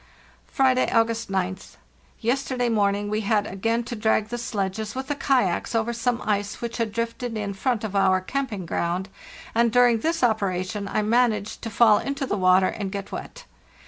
"Friday, August 9th. Yesterday morning we had again to drag the sledges with the kayaks over some ice which had drifted in front of our camping ground, and during this operation I managed to fall into the water and get wet.